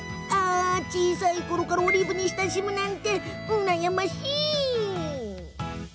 小さいころからオリーブに親しむなんて羨ましいな。